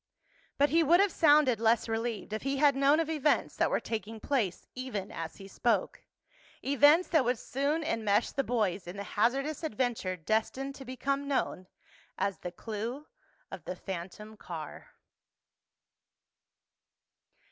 But he would have sounded less relieved if he had known of events that were taking place even as he spoke—events that would soon enmesh the boys in the hazardous adventure destined to become known as The Clue of the Phantom Car.